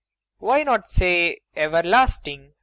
Why not say "everlasting"?